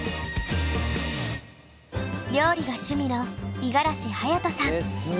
料理が趣味の五十嵐隼人さん。